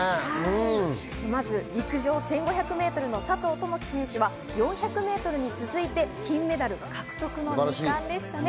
まず陸上１５００ｍの佐藤友祈選手は４００ｍに続いて、金メダル獲得の２冠でした。